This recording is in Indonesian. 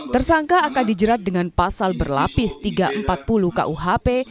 tersangka akan dijerat dengan pasal berlapis tiga ratus empat puluh kuhp